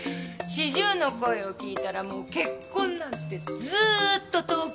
４０の声を聞いたらもう結婚なんてずーっと遠く。